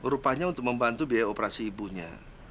rupanya untuk membantu biaya operasi ibunya